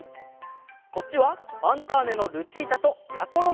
こっちは「ファンターネ！」のルチータとやころのえ。